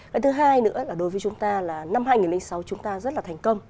cái thứ hai nữa là đối với chúng ta là năm hai nghìn sáu chúng ta rất là thành công